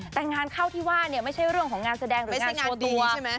แต่งานเข้าที่ว่าเนี่ยไม่ใช่เรื่องของงานแสดงหรือไม่ใช่งานตัวใช่ไหม